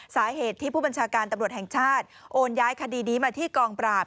สาเหตุที่ผู้บัญชาการตำรวจแห่งชาติโอนย้ายคดีนี้มาที่กองปราบ